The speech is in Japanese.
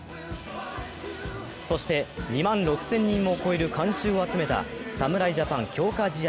そして、２万６０００人を超える観衆を集めた侍ジャパン強化試合